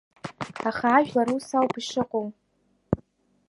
Аха ажәлар ус ауп ишыҟоу…